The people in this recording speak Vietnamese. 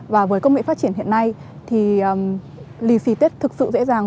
và với công nghệ phát triển hiện nay thì lì xì tết thực sự dễ dàng